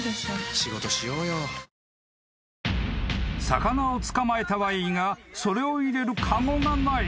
［魚を捕まえたはいいがそれを入れる籠がない］